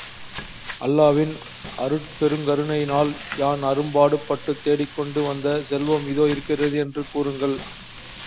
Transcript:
அல்லாவின் அருட்பெருங்கருணையினால், யான் அரும்பாடுப் பட்டுத் தேடிக் கொண்டு வந்த செல்வம் இதோ இருக்கிறது என்று கூறுங்கள்.